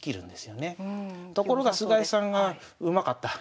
ところが菅井さんがうまかった。